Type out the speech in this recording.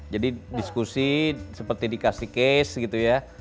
jadi diskusi seperti dikasih case gitu ya